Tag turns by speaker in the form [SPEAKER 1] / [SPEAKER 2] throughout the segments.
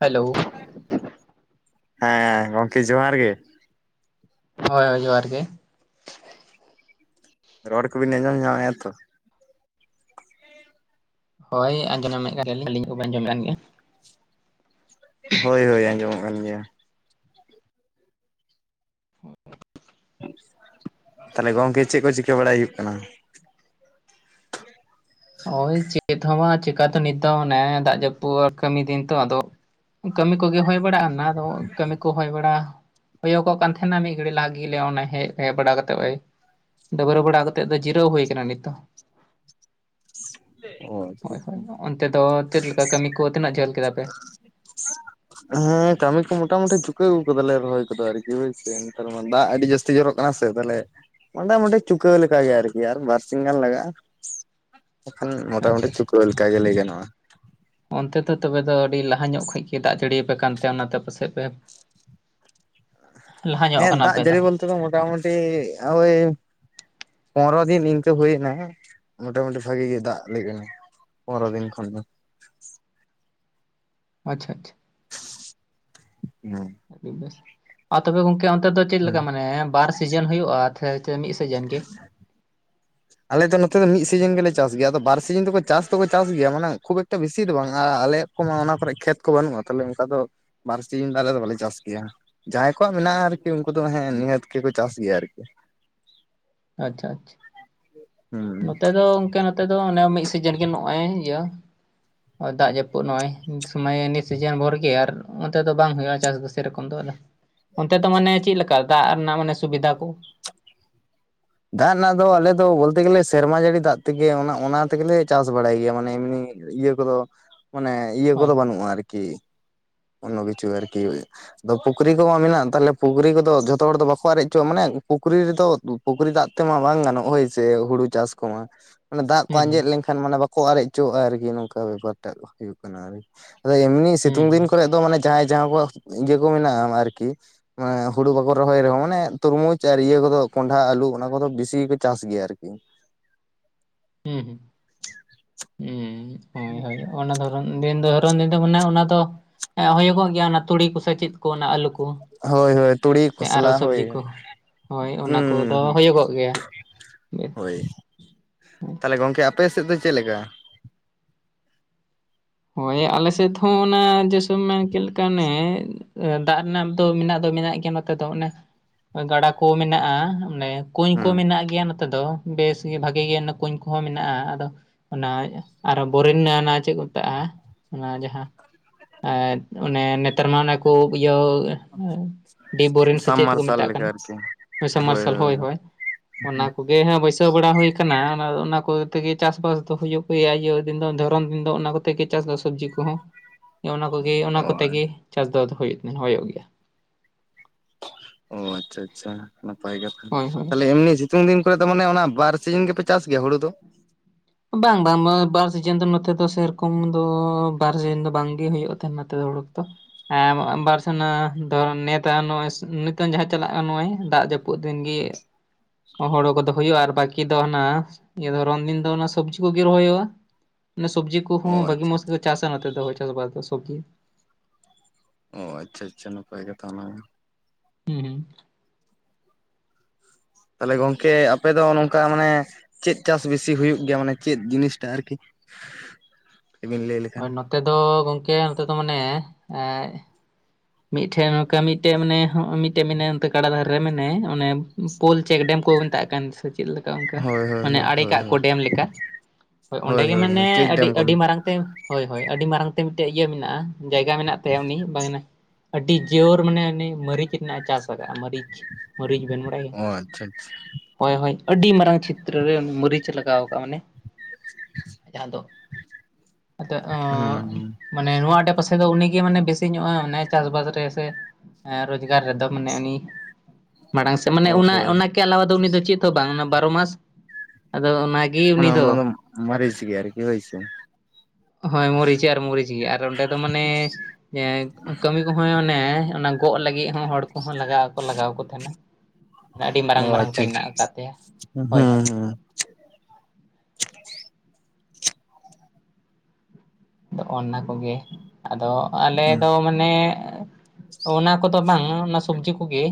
[SPEAKER 1] Hello,
[SPEAKER 2] ᱦᱮᱸ, ᱜᱚᱢᱠᱮ ᱡᱚᱦᱟᱨ ᱜᱮ
[SPEAKER 1] ᱦᱳᱭ ᱦᱳᱭ, ᱡᱚᱦᱟᱨ ᱜᱮ
[SPEAKER 2] ᱨᱚᱲ ᱠᱩᱵᱤᱱ ᱟᱸᱡᱚᱢ ᱧᱟᱢᱮᱜ-ᱟ ᱛᱚ?
[SPEAKER 1] ᱦᱳᱭ, ᱟᱸᱡᱚᱢ [inaudible]
[SPEAKER 2] ᱦᱳᱭ ᱦᱳᱭ, ᱟᱸᱡᱚᱢᱚᱜ ᱠᱟᱱ ᱜᱮᱭᱟ
[SPEAKER 1] [unintelligible]
[SPEAKER 2] ᱛᱟᱦᱞᱮ ᱜᱚᱢᱠᱮ ᱪᱮᱫ ᱠᱚ ᱪᱤᱠᱟᱹ ᱵᱟᱲᱟᱭ ᱦᱩᱭᱩᱜ ᱠᱟᱱᱟ?
[SPEAKER 1] ᱳᱭ ᱪᱮᱫ ᱦᱚᱸ ᱵᱟᱝ ᱪᱮᱠᱟᱛᱮ ᱱᱤᱛ ᱚᱱᱮ ᱫᱟᱜ ᱡᱟᱹᱯᱩᱫ ᱠᱟᱹᱢᱤ ᱫᱤᱱ ᱛᱚ ᱟᱫᱚ, ᱠᱟᱹᱢᱤ ᱠᱚ ᱜᱮ ᱦᱳᱭ ᱵᱟᱲᱟᱜᱼᱟ ᱚᱱᱟ ᱫᱚ ᱠᱟᱹᱢᱤ ᱠᱚ ᱦᱳᱭ ᱵᱟᱲᱟᱜᱼᱟ᱾ ᱦᱩᱭᱩᱜᱚᱜ ᱠᱟᱱ ᱛᱟᱦᱮᱸᱱᱟ ᱢᱤᱫ ᱜᱷᱟᱹᱲᱤ ᱞᱟᱜᱤᱞᱮ ᱚᱱᱮ ᱦᱮᱡ ᱦᱮᱡ ᱵᱟᱲᱟ ᱠᱟᱛᱮᱜ ᱰᱟᱹᱵᱨᱟᱹ ᱵᱟᱲᱟ ᱠᱟᱛᱮᱜ ᱫᱚ ᱡᱤᱨᱟᱹᱣ ᱦᱳᱭ ᱟᱠᱟᱱᱟ ᱱᱤᱛᱳᱜ᱾
[SPEAKER 2] [unintelligible]
[SPEAKER 1] ᱦᱳᱭ ᱦᱳᱭ, ᱚᱱᱛᱮ ᱫᱚ ᱪᱮᱫ ᱞᱮᱠᱟ ᱠᱟᱹᱢᱤ ᱠᱚ ᱛᱤᱱᱟᱹᱜ ᱡᱷᱟᱹᱞ ᱠᱮᱫᱟ ᱯᱮ?
[SPEAKER 2] [unintelligible] ᱦᱮᱸ, ᱠᱟᱹᱢᱤ ᱠᱚ ᱢᱚᱴᱟᱢᱩᱴᱤ ᱪᱩᱠᱟᱹ ᱟᱹᱜᱩ ᱠᱟᱫᱟᱞᱮ ᱨᱚᱦᱚᱭ ᱠᱚ ᱫᱚ ᱟᱨᱠᱤ ᱦᱳᱭ ᱥᱮ ᱱᱮᱛᱟᱨ ᱢᱟ ᱫᱟᱜ ᱟᱹᱰᱤ ᱡᱟᱹᱥᱛᱤ ᱾ ᱛᱤ ᱡᱚᱨᱚᱜ ᱠᱟᱱᱟ ᱥᱮ ᱢᱚᱴᱟᱢᱩᱴᱤ ᱪᱩᱠᱟᱹᱣ ᱞᱮᱠᱟᱜ ᱜᱮ ᱟᱨᱠᱤ ᱟᱨ ᱵᱟᱨ ᱥᱤᱧ ᱜᱟᱱ ᱞᱟᱜᱟᱜᱼᱟ᱾ ᱮᱱᱠᱷᱚᱱ ᱢᱚᱴᱟ
[SPEAKER 1] ᱟᱪᱪᱷᱟ
[SPEAKER 2] ᱢᱩᱴᱤ
[SPEAKER 1] ᱟᱪᱪᱷᱟ
[SPEAKER 2] ᱪᱩᱠᱟᱹᱣ ᱞᱮᱠᱟ ᱜᱮ ᱞᱟᱹᱭ ᱜᱟᱱᱚᱜ ᱼᱟ ᱾
[SPEAKER 1] ᱚᱱᱛᱮ ᱫᱚ ᱛᱚᱵᱮ ᱫᱚ ᱟᱹᱰᱤ ᱞᱟᱦᱟ ᱧᱚᱜ ᱠᱷᱚᱡ ᱜᱮ ᱫᱟᱜ ᱡᱟᱹᱲᱤ ᱯᱮ ᱠᱟᱱᱛᱮ ᱚᱱᱟ ᱛᱮ ᱯᱟᱥᱮᱡ ᱯᱮ ᱞᱟᱦᱟ ᱧᱚᱜ
[SPEAKER 2] ᱦᱮᱸ,
[SPEAKER 1] ᱠᱟᱱᱟ
[SPEAKER 2] ᱫᱟᱜ
[SPEAKER 1] ᱟᱯᱮ
[SPEAKER 2] ᱡᱟᱹᱲᱤ ᱵᱳᱞᱛᱮ ᱫᱚ ᱢᱳᱴᱟᱢᱩᱴᱤ ᱳᱭ ᱯᱚᱱᱮᱨᱚ ᱫᱤᱱ ᱤᱝᱠᱟᱹ ᱦᱩᱭᱱᱟ ᱢᱳᱴᱟ ᱢᱩᱴᱤ ᱵᱷᱟᱹᱜᱮ ᱜᱮ ᱫᱟᱜ ᱞᱮᱜᱼᱟ ᱾ ᱯᱚᱱᱮᱨᱚ ᱫᱤᱱ ᱠᱷᱚᱱ ᱦᱚᱸ,
[SPEAKER 1] ᱟᱪᱪᱷᱟ ᱟᱪᱪᱷᱟ,
[SPEAKER 2] ᱦᱮᱸ,
[SPEAKER 1] ᱟᱹᱰᱤ ᱵᱮᱥ, ᱟᱨ ᱛᱚᱵᱮ ᱜᱚᱢᱠᱮ ᱚᱱᱛᱮ ᱫᱚ ᱪᱮᱫ ᱞᱮᱠᱟ ᱢᱟᱱᱮ ᱵᱟᱨ ᱥᱤᱡᱤᱱ ᱦᱳᱭᱳᱜᱼᱟ? ᱦᱚᱭ ᱛᱚ ᱢᱤᱫ ᱥᱤᱡᱤᱱ ᱜᱮ,
[SPEAKER 2] [unintelligible] ᱟᱞᱮᱚ ᱱᱚᱛᱮ ᱫᱚ ᱢᱤᱫ ᱥᱤᱡᱤᱱ ᱜᱮ ᱞᱮ ᱪᱟᱥ ᱟᱞᱮ ᱫᱚ ᱱᱚᱛᱮ ᱫᱚ ᱢᱤᱫ ᱥᱤᱡᱤᱱ ᱜᱮᱞᱮ ᱜᱮᱭᱟ ᱟᱫᱚ ᱵᱟᱨ ᱥᱤᱡᱤᱱ ᱫᱚ ᱠᱚ ᱪᱟᱥ ᱫᱚ ᱠᱚ ᱪᱟᱥ ᱜᱮᱭᱟ ᱢᱟᱱᱮ ᱠᱷᱩᱵ ᱮᱠᱴᱟ ᱵᱮᱥᱤ ᱫᱚ ᱵᱟᱝ ᱟᱨ ᱟᱞᱮ ᱠᱚᱢᱟ ᱚᱱᱟ ᱠᱚᱨᱮ ᱠᱷᱮᱛ ᱠᱚ ᱵᱟᱹᱱᱩᱜᱼᱟ ᱛᱟᱦᱚᱞᱮ ᱚᱝᱠᱟ ᱫᱚ ᱵᱟᱨ ᱥᱤᱡᱤᱱ ᱫᱚ ᱟᱞᱮ ᱫᱚ ᱵᱟᱞᱮ ᱪᱟᱥ ᱜᱮᱭᱟ ᱾ ᱡᱟᱦᱟᱸᱭ ᱠᱚᱣᱟᱜ ᱢᱮᱱᱟᱜᱼᱟ ᱟᱨᱠᱤ ᱩᱱᱠᱩ ᱫᱚ ᱱᱤᱦᱟᱹᱛ ᱜᱮ ᱠᱚ ᱪᱟᱥ ᱜᱮᱭᱟ ᱟᱨᱠᱤ,
[SPEAKER 1] ᱟᱪᱪᱷᱟ ᱟᱪᱪᱷᱟ,
[SPEAKER 2] ᱦᱩᱸ᱾
[SPEAKER 1] ᱱᱚᱛᱮ ᱫᱚ ᱚᱝᱠᱟ ᱱᱚᱛᱮ ᱫᱚ ᱚᱱᱮ ᱢᱤᱫ ᱥᱤᱡᱤᱱ ᱜᱮ ᱱᱚᱜᱼᱚᱭ ᱤᱭᱟᱹ ᱫᱟᱜ ᱡᱟᱹᱯᱩᱫ ᱱᱚᱜᱼᱚᱭ ᱱᱤᱛ ᱥᱚᱢᱚᱭ ᱱᱤᱛ ᱥᱤᱡᱤᱱ ᱵᱷᱳᱨ ᱜᱮ ᱟᱨ ᱚᱱᱛᱮ ᱫᱚ ᱵᱟᱝ ᱦᱳᱭᱳᱜᱼᱟ ᱪᱟᱥ ᱫᱚ ᱥᱮᱨᱚᱠᱚᱢ ᱫᱚ ᱟᱫᱚ ᱚᱱᱛᱮ ᱫᱚ ᱢᱟᱱᱮ ᱪᱮᱫ ᱞᱮᱠᱟ ᱫᱟᱜ ᱨᱮᱱᱟᱜ ᱢᱟᱱᱮ ᱥᱩᱵᱤᱫᱷᱟ ᱠᱚ?
[SPEAKER 2] [unintelligible] ᱫᱟᱜ ᱨᱮᱱᱟᱜ ᱫᱚ ᱟᱞᱮ ᱫᱚ ᱵᱳᱞᱛᱮ ᱜᱮ ᱞᱮ ᱥᱮᱨᱢᱟ ᱡᱟᱹᱲᱤ ᱫᱟᱜ ᱛᱮ ᱜᱮ ᱚᱱᱟ ᱛᱮᱜᱮ ᱞᱮ ᱪᱟᱥ ᱵᱟᱲᱟᱭ ᱜᱮᱭᱟ ᱢᱟᱱᱮ ᱮᱢᱱᱤ ᱤᱭᱟᱹ ᱠᱚᱫᱚ ᱢᱟᱱᱮ ᱤᱭᱟᱹ
[SPEAKER 1] ᱦᱳᱭ
[SPEAKER 2] ᱠᱚᱫᱚ ᱵᱟᱹᱱᱩᱜ-ᱟ ᱟᱨᱠᱤ ᱾ ᱚᱱᱱᱚ ᱠᱤᱪᱩ ᱟᱨᱠᱤ ᱟᱫᱚ ᱯᱩᱠᱷᱨᱤ ᱠᱚᱢᱟ ᱢᱮᱱᱟᱜ ᱛᱟᱦᱞᱮ ᱯᱩᱠᱷᱨᱤ ᱠᱚᱫᱚ ᱡᱷᱚᱛᱚ ᱦᱚᱲ ᱫᱚ ᱵᱟᱠᱚ ᱟᱨᱮᱡ ᱦᱚᱪᱚᱣᱟᱜ-ᱟ ᱢᱟᱱᱮ ᱯᱩᱠᱷᱨᱤ ᱨᱮᱫᱚ ᱯᱩᱠᱷᱨᱤ ᱫᱟᱜ ᱛᱮᱢᱟ ᱵᱟᱝ ᱜᱟᱱᱚᱜ ᱦᱳᱭ ᱥᱮ ᱦᱩᱲᱩ ᱪᱟᱥ ᱠᱚᱢᱟ ᱾ ᱢᱟᱱᱮ ᱫᱟᱜ ᱠᱚ
[SPEAKER 1] ᱦᱩᱸ
[SPEAKER 2] ᱟᱸᱡᱮᱫ ᱞᱮᱱᱠᱷᱟᱱ ᱢᱟᱱᱮ ᱵᱟᱠᱚ ᱟᱨᱮᱡ ᱚᱪᱚᱣᱟᱜ-ᱟ ᱟᱨᱠᱤ ᱱᱚᱝᱠᱟ ᱵᱮᱯᱟᱨ ᱴᱟᱜ ᱦᱩᱭᱩᱜ ᱠᱟᱱᱟ ᱟᱨᱠᱤ ᱾ ᱟᱫᱚ ᱮᱢᱱᱤ
[SPEAKER 1] ᱦᱩᱸ
[SPEAKER 2] ᱥᱤᱛᱩᱝ
[SPEAKER 1] ᱦᱩᱸ
[SPEAKER 2] ᱫᱤᱱ ᱠᱚᱨᱮ ᱫᱚ ᱢᱟᱱᱮ ᱡᱟᱦᱟᱸᱭ ᱡᱟᱦᱟᱸ ᱠᱚᱣᱟᱜ ᱤᱭᱟᱹ ᱠᱚ ᱢᱮᱱᱟᱜ-ᱟ ᱟᱨᱠᱤ ᱮ ᱦᱩᱲᱩ ᱵᱟᱠᱚ ᱨᱚᱦᱚᱭ ᱨᱮᱦᱚᱸ ᱢᱟᱱᱮ ᱛᱩᱨᱢᱩᱡᱽ ᱟᱨ ᱤᱭᱟᱹ ᱠᱚᱫᱚ ᱠᱚᱱᱰᱷᱟ ᱟᱹᱞᱩ ᱚᱱᱟ ᱠᱚᱫᱚ ᱵᱤᱥᱤ ᱜᱮᱠᱚ ᱪᱟᱥ ᱜᱮᱭᱟ ᱟᱨᱠᱤ ᱾
[SPEAKER 1] ᱦᱩᱸ ᱦᱳᱭ ᱦᱳᱭ ᱚᱱᱟ ᱫᱚ ᱚᱱ ᱫᱤᱱ ᱫᱚ ᱦᱚᱨᱚᱱ ᱫᱤᱱ ᱫᱚ ᱢᱟᱱᱮ ᱚᱱᱟ ᱫᱚ ᱦᱩᱭᱩᱜᱚᱜ ᱜᱮᱭᱟ ᱚᱱᱟ ᱛᱩᱲᱤ ᱠᱚᱥᱮ ᱪᱮᱫ ᱠᱚ ᱚᱱᱟ ᱟᱹᱞᱩ ᱠᱚ ᱾
[SPEAKER 2] ᱦᱳᱭ ᱦᱳᱭ ᱛᱩᱲᱤ ᱠᱷᱚᱥᱞᱟ ᱦᱳᱭ
[SPEAKER 1] ᱦᱳᱭ
[SPEAKER 2] [inaudible]
[SPEAKER 1] ᱚᱱᱟ
[SPEAKER 2] ᱦᱩᱸ
[SPEAKER 1] ᱠᱚᱫᱚ
[SPEAKER 2] ᱦᱩᱸ ᱦᱩᱸ
[SPEAKER 1] ᱦᱩᱭᱩᱜᱚᱜ ᱜᱮᱭᱟ ᱵᱮᱥ
[SPEAKER 2] ᱾ ᱦᱳᱭ [inaudible] ᱛᱟᱦᱞᱮ ᱜᱚᱢᱠᱮ ᱟᱯᱮ ᱥᱮᱫ ᱫᱚ ᱪᱮᱫᱞᱮᱠᱟ?
[SPEAKER 1] ᱦᱳᱭ ᱟᱞᱮ ᱥᱮᱫ ᱦᱚᱸ ᱚᱱᱟ ᱫᱤᱥᱚᱢ ᱢᱮᱱ ᱪᱮᱫ ᱞᱮᱠᱟ ᱚᱱᱮ ᱫᱟᱜ ᱨᱮᱱᱟᱜ ᱫᱚ ᱢᱮᱱᱟᱜ ᱫᱚ ᱢᱮᱱᱟᱜ ᱜᱮᱭᱟ ᱱᱚᱛᱮ ᱫᱚ ᱚᱱᱮ ᱜᱟᱰᱟ ᱠᱚ ᱢᱮᱱᱟᱜ-ᱟ ᱚᱱᱮ ᱠᱩᱧ ᱠᱚ
[SPEAKER 2] ᱦᱩᱸ
[SPEAKER 1] ᱢᱮᱱᱟᱜ ᱜᱮᱭᱟ ᱱᱚᱛᱮ ᱫᱚ ᱵᱮᱥ ᱜᱮ ᱵᱷᱟᱜᱮ ᱜᱮ ᱠᱩᱧ ᱠᱚᱦᱚᱸ ᱢᱮᱱᱟᱜ-ᱟ ᱟᱫᱚ ᱚᱱᱟ ᱵᱳᱨᱤᱱ ᱨᱮᱱᱟᱜ ᱚᱱᱟ ᱪᱮᱫ ᱢᱮᱛᱟᱜ-ᱟ ᱚᱱᱟ ᱡᱟᱦᱟᱸ ᱚᱱᱮ ᱱᱮᱛᱟᱨ ᱢᱟ ᱚᱱᱟ ᱠᱚ ᱤᱭᱟᱹ ᱰᱤ ᱵᱳᱨᱤᱱ ᱥᱮ
[SPEAKER 2] ᱥᱟᱢ
[SPEAKER 1] ᱪᱮᱫᱠᱚ
[SPEAKER 2] ᱢᱟᱨᱥᱟᱞ
[SPEAKER 1] ᱢᱮᱛᱟᱜ ᱠᱟᱱ
[SPEAKER 2] ᱞᱮᱠᱟ ᱟᱨᱠᱤ
[SPEAKER 1] ᱦᱳᱭ ᱥᱟᱢ ᱢᱟᱨᱥᱟᱞ ᱦᱳᱭ ᱦᱳᱭ ᱾ ᱚᱱᱟ
[SPEAKER 2] ᱦᱳᱭ
[SPEAKER 1] ᱠᱚ ᱜᱮ ᱦᱚᱸ ᱵᱟᱹᱭᱥᱟᱹᱣ ᱵᱟᱲᱟ ᱦᱩᱭᱠᱟᱱᱟ ᱚᱱᱟ ᱦᱮᱸ ᱦᱮᱸ ᱜᱮ ᱦᱟᱜ ᱵᱟᱹᱭᱥᱟᱹᱣ ᱵᱟᱲᱟ ᱦᱩᱭ ᱠᱟᱱᱟ ᱚᱱᱟ ᱠᱚ ᱛᱮᱜᱮ ᱪᱟᱥ ᱵᱟᱥ ᱫᱚ ᱦᱩᱭᱩᱜ ᱜᱮᱭᱟ ᱤᱭᱟᱹ ᱫᱤᱱ ᱫᱚ ᱫᱷᱚᱨᱚᱱ ᱫᱤᱱ ᱫᱚ ᱚᱱᱟ ᱠᱚ ᱛᱮᱜᱮ ᱪᱟᱥ ᱫᱚ ᱥᱚᱵᱽᱡᱤ ᱠᱚᱦᱚᱸ ᱚᱱᱟ ᱠᱚᱜᱮ ᱚᱱᱟ ᱠᱚᱛᱮ
[SPEAKER 2] ᱦᱳᱭ
[SPEAKER 1] ᱜᱮ ᱪᱟᱥ ᱟᱫᱚ ᱦᱩᱭᱩᱜ ᱦᱚᱭᱚᱜ ᱜᱮᱭᱟ᱾
[SPEAKER 2] ᱚ ᱟᱪᱪᱷᱟ ᱟᱪᱪᱷᱟ ᱱᱟᱯᱟᱭ ᱠᱟᱛᱷᱟ,
[SPEAKER 1] ᱦᱳᱭ ᱦᱳᱭ
[SPEAKER 2] ᱛᱟᱦᱞᱮ ᱮᱢᱱᱤ ᱥᱤᱛᱩᱝ ᱫᱤᱱ ᱠᱚᱨᱮ ᱫᱚ ᱢᱟᱱᱮ ᱚᱱᱟ ᱵᱟᱨ ᱥᱤᱡᱤᱱ ᱜᱮᱯᱮ ᱪᱟᱥ ᱜᱮᱭᱟ ᱦᱩᱲᱩ ᱫᱚ?
[SPEAKER 1] ᱵᱟᱝ ᱵᱟᱝ ᱵᱟᱨ ᱥᱤᱡᱤᱱ ᱫᱚ ᱱᱚᱛᱮ ᱫᱚ ᱥᱮᱨᱚᱠᱚᱢ ᱫᱚ ᱵᱟᱨ ᱥᱤᱡᱤᱱ ᱫᱚ ᱵᱟᱝᱜᱮ ᱦᱩᱭᱩᱜ ᱛᱟᱦᱮᱸᱱ ᱱᱚᱛᱮ ᱫᱚ ᱦᱩᱲᱩ ᱠᱚᱫᱚ᱾ ᱮ ᱵᱟᱨ ᱥᱮᱱᱟ ᱫᱚ ᱱᱤᱭᱟᱹ ᱛᱟᱭᱱᱚᱢ [unintelligible] ᱱᱤᱛᱚᱝ ᱡᱟᱦᱟᱸ ᱪᱟᱞᱟᱜ ᱠᱟᱱ ᱱᱚᱜ-ᱚᱭ ᱫᱟᱜ ᱡᱟᱹᱯᱩᱫ ᱫᱤᱱ ᱜᱮ ᱦᱳᱲᱳ ᱠᱚᱫᱚ ᱦᱳᱭᱳᱜ-ᱟ ᱟᱨ ᱵᱟᱠᱤ ᱫᱚ ᱦᱟᱱᱟ ᱦᱤᱭᱟᱹ ᱫᱷᱚᱨᱚᱱ ᱫᱤᱱ ᱫᱚ ᱥᱚᱵᱽᱡᱤ ᱠᱚᱜᱮ ᱨᱚᱦᱚᱭ ᱦᱩᱭᱩᱜ-ᱟ᱾ ᱚᱱᱮ ᱥᱚᱵᱽᱡᱤ
[SPEAKER 2] ᱚ
[SPEAKER 1] ᱠᱚᱦᱚᱸ ᱵᱷᱟᱹᱜᱤ
[SPEAKER 2] ᱟᱪᱪᱷᱟ
[SPEAKER 1] ᱢᱚᱡᱽ ᱛᱮᱠᱚ ᱪᱟᱥᱟ ᱱᱚᱛᱮ ᱫᱚ ᱪᱟᱥ-ᱵᱟᱥ ᱫᱚ ᱥᱚᱵᱽᱡᱤ᱾
[SPEAKER 2] ᱚ ᱟᱪᱪᱷᱟ ᱟᱪᱪᱷᱟ ᱱᱟᱯᱟᱭ ᱜᱮ ᱛᱟᱨᱢᱟᱱᱮ ᱫᱚ ᱾
[SPEAKER 1] ᱦᱩᱸ ᱦᱩᱸ ᱾
[SPEAKER 2] ᱛᱟᱦᱞᱮ ᱜᱚᱝᱠᱮ ᱟᱯᱮ ᱫᱚ ᱱᱚᱝᱠᱟ ᱢᱟᱱᱮ ᱪᱮᱫ ᱪᱟᱥ ᱵᱮᱥᱤ ᱦᱩᱭᱩᱜ ᱜᱮᱭᱟ ᱢᱟᱱᱮ ᱪᱮᱫ ᱡᱤᱱᱤᱥᱴᱟᱜ ᱟᱨᱠᱤ [inaudible] ᱵᱤᱱ ᱞᱟᱹᱭ ᱞᱮ
[SPEAKER 1] ᱦᱳᱭ ᱱᱚᱛᱮ ᱫᱚ ᱜᱚᱝᱠᱮ ᱱᱚᱛᱮ ᱫᱚ ᱢᱟᱱᱮ ᱮ ᱢᱤᱫᱴᱷᱮᱱ ᱱᱚᱝᱠᱟ ᱢᱤᱫᱴᱮᱱ ᱢᱟᱱᱮ ᱢᱤᱫᱴᱮᱱ ᱢᱮᱱᱟᱭᱟ ᱚᱱᱛᱮ ᱜᱟᱰᱟ ᱫᱷᱟᱨᱮ ᱨᱮ ᱢᱮᱱᱟᱭᱟ ᱚᱱᱮ ᱯᱳᱞ ᱪᱮᱠ ᱰᱮᱢ ᱠᱚ ᱢᱮᱛᱟᱜ ᱠᱟᱱ ᱥᱮ ᱪᱮᱫ ᱞᱮᱠᱟ ᱚᱱᱠᱟ
[SPEAKER 2] ᱦᱳᱭ ᱦᱳᱭ
[SPEAKER 1] ᱢᱟᱱᱮ
[SPEAKER 2] ᱦᱳᱭ
[SPEAKER 1] ᱟᱲᱮ
[SPEAKER 2] ᱦᱳᱭ
[SPEAKER 1] ᱠᱟᱜ ᱠᱚ ᱰᱮᱢ ᱞᱮᱠᱟ᱾ ᱦᱳᱭ ᱚᱸᱰᱮ ᱜᱮ
[SPEAKER 2] ᱦᱳᱭ
[SPEAKER 1] ᱢᱟᱱᱮ
[SPEAKER 2] ᱪᱮᱠ
[SPEAKER 1] ᱟᱹᱰᱤ
[SPEAKER 2] ᱰᱮᱢ ᱠᱚ
[SPEAKER 1] ᱟᱹᱰᱤ ᱢᱟ ᱢᱟᱨᱟᱝ ᱛᱮ ᱦᱳᱭ ᱦᱳᱭ ᱟᱹᱰᱤ ᱢᱟᱨᱟᱝ ᱛᱮ ᱢᱤᱫᱴᱮᱡ ᱤᱭᱟᱹ ᱢᱮᱱᱟᱜ-ᱟ ᱡᱟᱭᱜᱟ ᱢᱮᱱᱟᱜ ᱛᱟᱭᱟ ᱩᱱᱤ [unintelligible] ᱟᱹᱰᱤ ᱡᱳᱨ ᱢᱟᱱᱮ ᱩᱱᱤ ᱢᱟᱹᱨᱤᱪ ᱨᱮᱱᱟᱜ ᱮ ᱪᱟᱥ ᱟᱠᱟᱜ-ᱟ ᱢᱟᱹᱨᱤᱪ, ᱢᱟᱹᱨᱤᱪ ᱵᱮᱱ ᱵᱟᱲᱟᱭᱟ?
[SPEAKER 2] ᱚ ᱟᱪᱪᱷᱟ ᱟᱪᱪᱷᱟ ᱾
[SPEAKER 1] ᱦᱳᱭ ᱦᱳᱭ ᱟᱹᱰᱤ ᱢᱟᱨᱟᱝ ᱪᱷᱤᱛᱨᱚ ᱨᱮ ᱢᱟᱹᱨᱤᱪ ᱮ ᱞᱟᱜᱟᱣ ᱠᱟᱜ-ᱟ ᱢᱟᱱᱮ ᱡᱟᱦᱟᱸ ᱫᱚ [inaudible] ᱟᱫᱚ
[SPEAKER 2] ᱦᱩᱸ
[SPEAKER 1] ᱚᱸᱻ
[SPEAKER 2] ᱦᱩᱸ
[SPEAKER 1] ᱢᱟᱱᱮ ᱱᱚᱣᱟ ᱟᱸᱰᱮ ᱯᱟᱥᱮ ᱫᱚ ᱩᱱᱤ ᱜᱮ ᱢᱟᱱᱮ ᱵᱮᱥᱤ ᱧᱚᱜ-ᱟ ᱢᱟᱱᱮ ᱪᱟᱥ-ᱵᱟᱥ ᱨᱮ ᱥᱮ ᱨᱳᱡᱽᱜᱟᱨ ᱨᱮᱫᱚ ᱢᱟᱱᱮ ᱩᱱᱤ ᱢᱟᱲᱟᱝ ᱥᱮᱫ ᱢᱟᱱᱮ
[SPEAKER 2] ᱚ
[SPEAKER 1] ᱚᱱᱟ
[SPEAKER 2] ᱦᱳᱭ
[SPEAKER 1] ᱚᱱᱟ [unintelligible] ᱫᱚ ᱩᱱᱤ ᱫᱚ ᱪᱮᱫ ᱦᱚᱸ ᱵᱟᱝ, ᱵᱟᱨᱚ ᱢᱟᱥ ᱟᱫᱚ ᱚᱱᱟᱜᱮ
[SPEAKER 2] ᱢᱟᱱᱮ
[SPEAKER 1] ᱩᱱᱤ ᱫᱚ᱾
[SPEAKER 2] ᱚᱱᱟ ᱢᱟᱹᱨᱤᱪ ᱜᱮ ᱟᱨᱠᱤ ᱦᱳᱭ ᱥᱮ᱾
[SPEAKER 1] ᱦᱳᱭ ᱢᱚᱨᱤᱪ ᱟᱨ ᱢᱚᱨᱤᱪ ᱜᱮ ᱟᱨ ᱚᱸᱰᱮ ᱫᱚ ᱢᱟᱱᱮ ᱡᱮ ᱠᱟᱹᱢᱤ ᱠᱚᱦᱚᱸ ᱚᱱᱮ ᱚᱱᱟ ᱜᱚᱜ ᱞᱟᱹᱜᱤᱜ ᱦᱚᱸ ᱦᱚᱲ ᱠᱚᱦᱚᱸ ᱞᱟᱜᱟᱣ ᱠᱚ ᱞᱟᱜᱟᱣ ᱠᱚ ᱛᱟᱦᱮᱸᱱᱟ, ᱢᱟᱱᱮ ᱟᱹᱰᱤ ᱢᱟᱨᱟᱝ
[SPEAKER 2] ᱚ
[SPEAKER 1] ᱢᱟᱨᱟᱝ ᱛᱮ
[SPEAKER 2] ᱟᱪᱪᱷᱟ ᱟᱪᱪᱷᱟ
[SPEAKER 1] ᱢᱮᱱᱟᱜ ᱟᱠᱟᱫ ᱛᱟᱭᱟ,
[SPEAKER 2] ᱦᱩᱸ
[SPEAKER 1] ᱦᱳᱭ ᱦᱳᱭ ᱾
[SPEAKER 2] ᱦᱩᱸ
[SPEAKER 1] ᱟᱫᱚ ᱚᱱᱟ ᱠᱚᱜᱮ ᱟᱫᱚ ᱟᱞᱮ
[SPEAKER 2] ᱦᱩᱸ
[SPEAKER 1] ᱫᱚ ᱢᱟ ᱱᱮ ᱚᱱᱟ ᱠᱚᱫᱚ ᱵᱟᱝ ᱚᱱᱟ ᱥᱚᱵᱽᱡᱤ ᱠᱚᱜᱮ